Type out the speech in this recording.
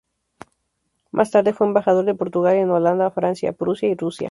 Más tarde fue embajador de Portugal en Holanda, Francia, Prusia y Rusia.